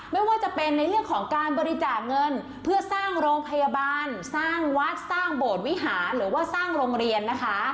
ไม่ว่าจะเป็นในเรื่องของการบริจาคเงินเพื่อสร้างโรงพยาบาลสร้างวัดสร้างโบสถ์วิหารหรือว่าสร้างโรงเรียนนะคะ